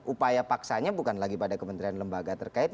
upaya paksanya bukan lagi pada kementerian lembaga terkait